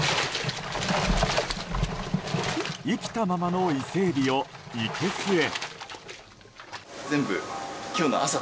生きたままのイセエビをいけすへ。